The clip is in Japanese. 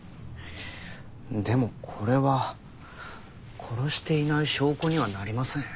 でもこれは殺していない証拠にはなりません。